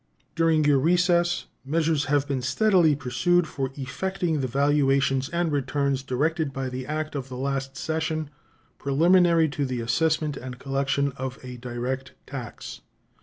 During your recess measures have been steadily pursued for effecting the valuations and returns directed by the act of the last session, preliminary to the assessment and collection of a direct tax.